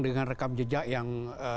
dengan rekam jejak yang